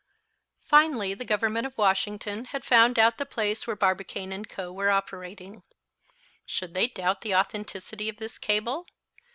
Finally the Government of Washington had found out the place where Barbicane & Co. were operating. Should they doubt the authenticity of this cable?